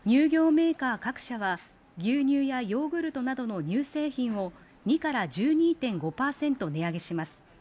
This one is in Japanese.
メーカー各社は牛乳やヨーグルトなどの乳製品を２から１２．５％値上げします。